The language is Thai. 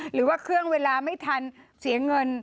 หรือว่าเครื่องเวลาไม่ทันเสียเงิน